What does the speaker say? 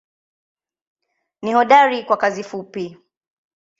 Ni hodari kwa kazi fupi.